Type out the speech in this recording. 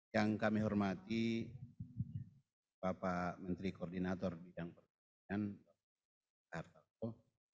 yang kami hormati bapak menteri koordinator diang perkembangan pak artoko